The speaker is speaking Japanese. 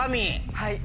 はい。